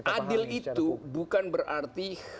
adil itu bukan berarti